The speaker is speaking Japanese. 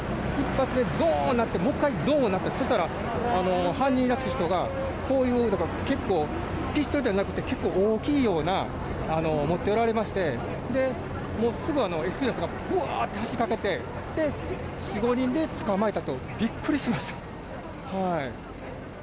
１発目、どんなってもう１回どんとなって犯人らしき人がこういう、結構ピストルじゃなくて結構、大きいような持っておられましてもうすぐＳＰの人がぶわっと走りかけて４、５人で捕まえたとびっくりしました。